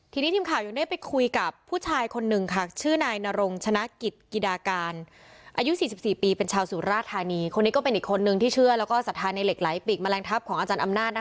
ทีนี้ทีมข่าวยังได้ไปคุยกับผู้ชายคนหนึ่งค่ะชื่อนายนรงชนะกิจกิดาการอายุ๔๔ปีเป็นชาวสุราธานีคนนี้ก็เป็นอีกคนนึงที่เชื่อแล้วก็ศรัทธาในเหล็กไหลปีกแมลงทัพของอาจารย์อำนาจ